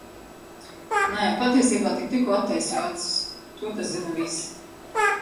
Nē, patiesībā tik tikko attaisīju acis. To te zina visi.